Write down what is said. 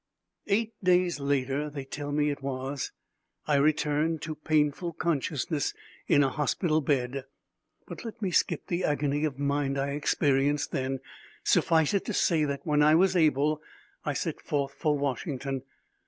Eight days later, they tell me it was, I returned to painful consciousness in a hospital bed. But let me skip the agony of mind I experienced then. Suffice it to say that, when I was able, I set forth for Washington.